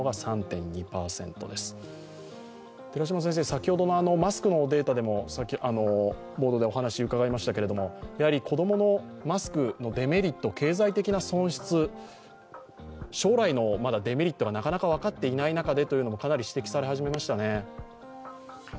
先ほどのマスクのボードでもお話伺いましたが、子供のマスクのデメリット、経済的な損失、将来のデメリットがまだなかなか分かっていない中でかなり指摘され始めましたね。